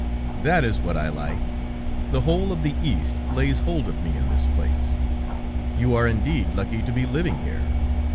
That is what I like; the whole of the East lays hold of me in this place. You are indeed lucky to be living here!